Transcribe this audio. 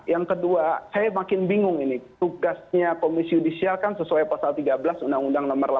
yang kedua saya makin bingung ini tugasnya komisi judisial kan sesuai pasal tiga belas undang undang nomor delapan belas